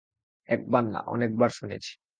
একবার না, অনেক বার শুনেছি।